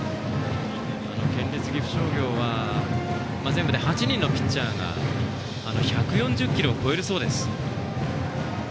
県立岐阜商業は全部で８人のピッチャーが１４０キロを超えるそうです。